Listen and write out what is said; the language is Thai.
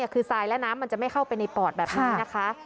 คือทรายและน้ำมันจะไม่เข้าไปในปอดแบบนี้นะคะ